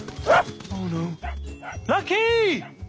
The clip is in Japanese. ああラッキー！